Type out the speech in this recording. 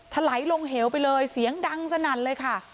ถลายลงเหวไปเลยเสียงดังสนั่นเลยค่ะ